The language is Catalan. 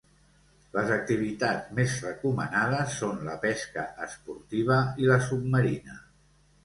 Les activitats més recomanades són la pesca esportiva i la submarina.